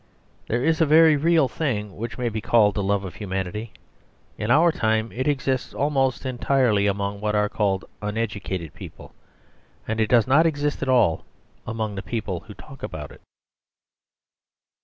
There is a very real thing which may be called the love of humanity; in our time it exists almost entirely among what are called uneducated people; and it does not exist at all among the people who talk about it.